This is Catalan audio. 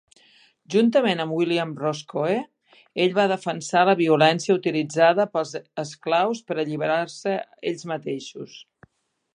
Juntament amb William Roscoe, ell va defensar la violència utilitzada pels esclaus per alliberar-se ells mateixos.